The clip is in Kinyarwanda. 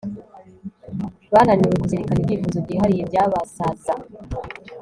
Bananiwe kuzirikana ibyifuzo byihariye byabasaza